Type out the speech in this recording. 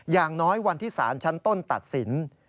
อย่างน้อยวันที่สารชั้นต้นตัดสิน